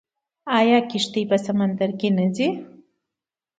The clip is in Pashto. آیا کښتۍ په سمندر کې نه ځي؟